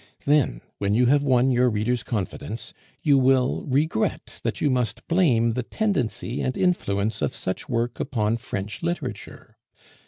Then, when you have won your reader's confidence, you will regret that you must blame the tendency and influence of such work upon French literature.